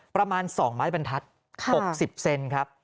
ประมาณ๒ไม้บรรทัศน์๖๐เซนครับ